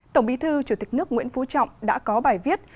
tổng bí thư chủ tịch nước nguyễn phú trọng đã có bài viết